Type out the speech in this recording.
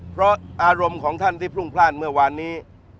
เพราะอารมณ์ของท่านที่พรุ่งพลาดเมื่อวานนี้